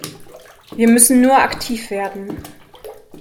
Wir müssen nur aktiv werden.